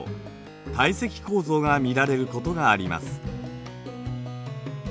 堆積構造が見られることがあります。